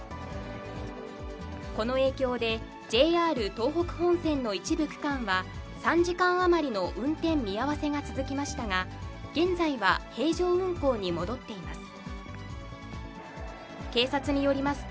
この影響でＪＲ東北本線の一部区間は、３時間余りの運転見合わせが続きましたが、現在は平常運行に戻っています。